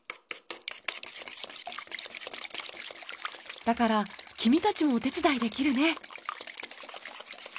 だから君たちもお手伝いできるね。